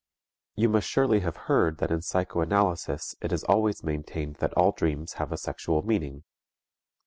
You must surely have heard that in psychoanalysis it is always maintained that all dreams have a sexual meaning.